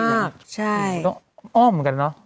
อ้อมเหมือนกันเนาะ